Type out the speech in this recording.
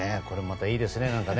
これもまたいいですね。